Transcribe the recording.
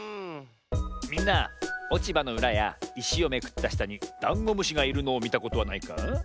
みんなおちばのうらやいしをめくったしたにダンゴムシがいるのをみたことはないか？